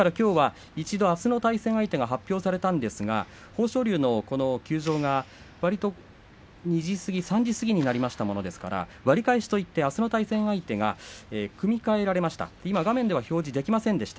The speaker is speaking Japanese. あすの対戦相手が発表されたのですが、豊昇龍の休場がわりと２時過ぎ３時過ぎだったもんですから割り返しといってあすの対戦相手が組み替えられました。